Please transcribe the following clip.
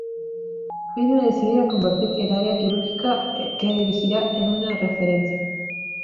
Viene decidida a convertir el área quirúrgica que dirigirá en una referencia.